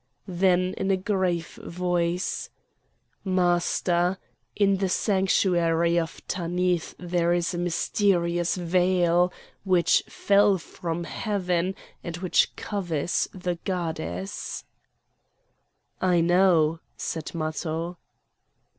Then in a grave voice: "Master, in the sanctuary of Tanith there is a mysterious veil, which fell from heaven and which covers the goddess." "I know," said Matho.